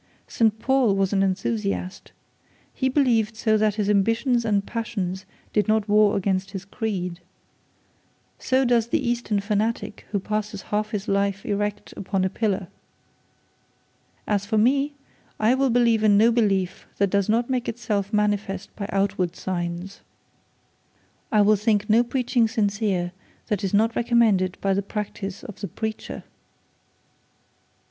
St Paul was an enthusiast. He believed so that his ambition and passions did not war against his creed. So does the Eastern fanatic who passes half his life erect upon a pillar. As for me, I will believe in no belief that does not make itself manifest by outward signs. I will think no preaching sincere that is not recommended by the practice of the preacher.'